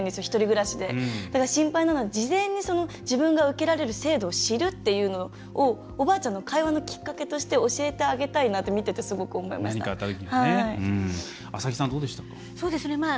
一人暮らしで、だから心配なので事前に自分が受けられる制度を知るっていうのをおばあちゃんの会話のきっかけとして教えてあげたいなって何かあったときにね。